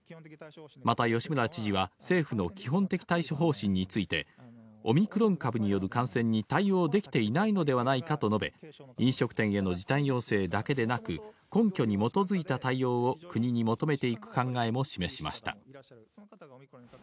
また吉村知事は政府の基本的対処方針についてオミクロン株による感染に対応できていないのではないかと述べ、飲食店への時短要請だけでなく、根拠に基づいた対応を国に求めていく考えも示しました。